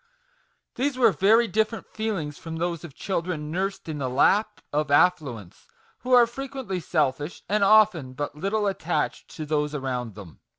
These were very different feelings from those of children nursed in the lap of affluence, who are frequently selfish, and often but little attached to those around them.